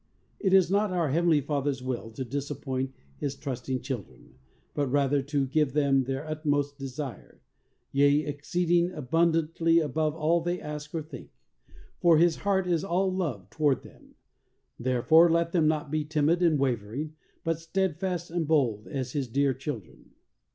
It is not our Heavenly Father's will to dis appoint His trusting children but rather to give them their utmost desire, yea, "ex ceeding abundantly above all they ask or think," for His heart is all love toward them; therefore let them not be timid and wavering, but steadfast and bold as His dear children.